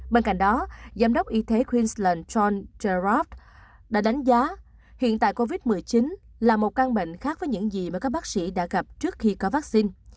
bên cạnh đó giám đốc y tế queensland john gerard đã đánh giá hiện tại covid một mươi chín là một căn bệnh khác với những gì mà các bác sĩ đã gặp trước khi có vắc xin